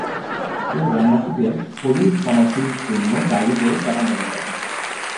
তিনি গ্রামবাসীদের সলিল সমাধির জন্য দায়ী বলে তারা মনে করে।